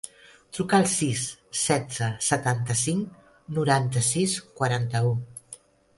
Truca al sis, setze, setanta-cinc, noranta-sis, quaranta-u.